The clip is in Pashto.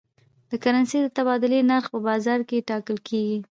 د کرنسۍ د تبادلې نرخ په بازار کې ټاکل کېږي.